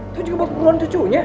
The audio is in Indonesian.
itu juga buat keperluan cucunya